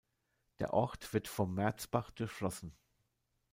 Der Ort wird vom Merzbach durchflossen.